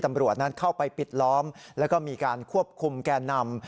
เจ้าหน้าที่ตำรวจเข้าไปปิดล้อมแล้วก็มีการควบคุมแกนนำ